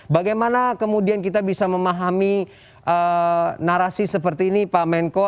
bagaimana kemudian kita bisa memahami narasi seperti ini pak menko